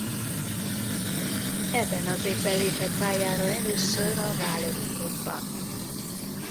Ebben az évben lépett pályára először a válogatottban.